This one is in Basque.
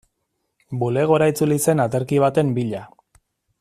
Bulegora itzuli zen aterki baten bila.